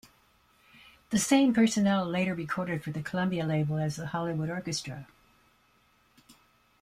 The same personnel later recorded for the Columbia label as the Hollywood Orchestra.